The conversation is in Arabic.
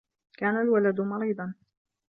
كَانَ الْوَلَدُ مَرِيضًا.